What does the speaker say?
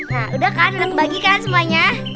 nah udah kan udah kebagi kan semuanya